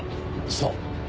そう。